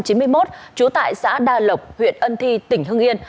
trước đó chú tại xã đà lộc huyện ân thi tỉnh hưng yên